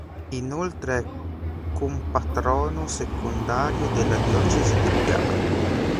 Inoltre è compatrono secondario della Diocesi di Lugano